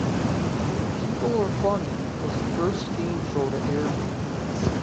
"People Are Funny" was the first game show to air repeats.